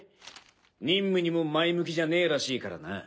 任務にも前向きじゃねえらしいからな。